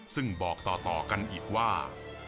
ซึ่งบอกต่อกันอีกว่า